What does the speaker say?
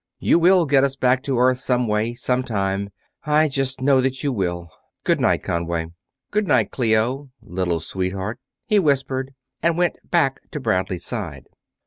You will get us back to Earth some way, sometime; I just know that you will. Good night, Conway." "Good night, Clio ... little sweetheart," he whispered, and went back to Bradley's side.